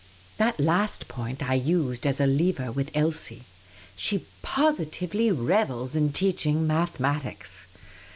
That last point I used as a lever with Elsie. She posi tively revels in teaching mathematics.